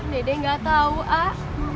dede nggak tahu ah